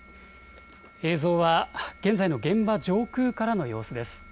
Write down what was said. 映像は現在の現場上空からの様子です。